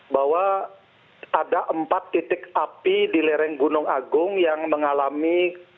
bahwa ada empat titik api di lereng gunung agung yang mengalami